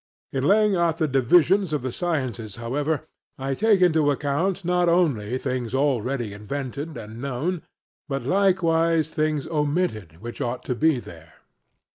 In laying out the divisions of the sciences however, I take into account not only things already invented and known, but likewise things omitted which ought to be there.